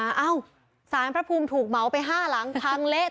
มอสไซค์แล้วไปกินร่าวที่ไหนมาว่ะ